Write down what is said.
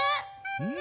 うん。